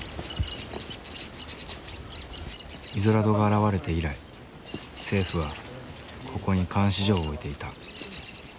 イゾラドが現れて以来政府はここに監視所を置いていた。